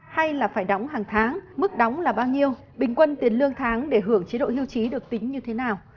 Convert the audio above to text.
hay là phải đóng hàng tháng mức đóng là bao nhiêu bình quân tiền lương tháng để hưởng chế độ hưu trí được tính như thế nào